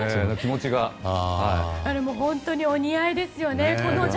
本当にお似合いですよね。